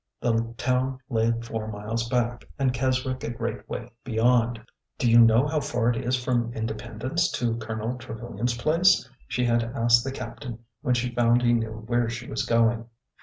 The town lay four miles back, and Keswick a great way be yond. '' Do you know how far it is from Independence to 2 i8 ORDER NO. 11 Colonel Trevilian's place?'' she had asked the captain when she found he knew where she was going.